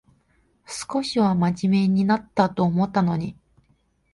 少しはまじめになったと思ったのに